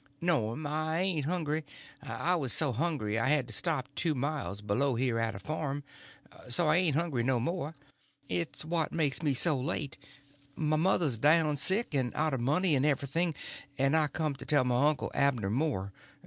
"No'm, I ain't hungry. I was so hungry I had to stop two miles below here at a farm; so I ain't hungry no more. It's what makes me so late. My mother's down sick, and out of money and everything, and I come to tell my uncle Abner Moore.